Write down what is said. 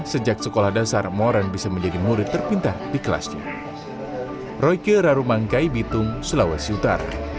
sejak sekolah dasar moran bisa menjadi murid terpintar di kelasnya